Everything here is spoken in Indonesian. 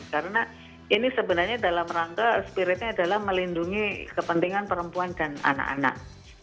karena ini sebenarnya dalam rangka spiritnya adalah melindungi kepentingan perempuan dan anak anak